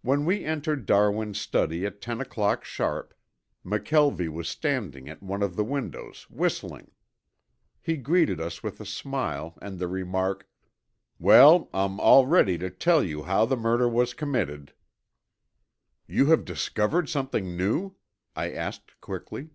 When we entered Darwin's study at ten o'clock sharp McKelvie was standing at one of the windows whistling. He greeted us with a smile and the remark, "Well, I'm all ready to tell you how the murder was committed." "You have discovered something new?" I asked quickly.